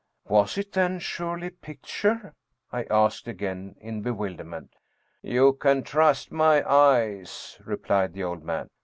" Was it, then, surely a picture ?" I asked again, in be wilderment. " You can trust my eyes," replied the old man.